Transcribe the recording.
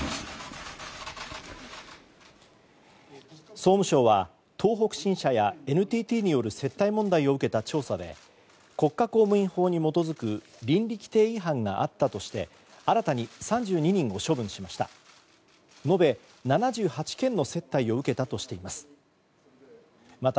総務省は東北新社やＮＴＴによる接待問題を受けた調査で国家公務員法に基づく倫理規程違反があったとして新たに３２人を処分しました。